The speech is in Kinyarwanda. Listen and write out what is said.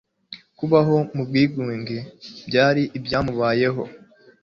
kubaho mu bwigunge Byari ibyamubayeho.